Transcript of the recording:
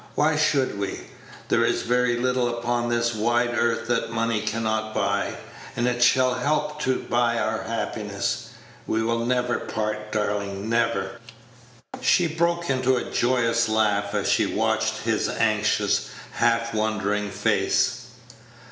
Why should we? There is very little upon this wide earth that money can not buy, and it shall help to buy our happiness. We will never part, darling, never." She broke into a joyous laugh as she watched his anxious, half wondering face.